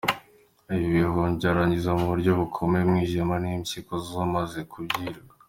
Ibi bihumyo byangiza mu buryo bukomeye umwijima n’impyiko z’umaze kubirya.